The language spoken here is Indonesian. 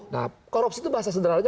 nah korupsi itu bahasa sederhana aja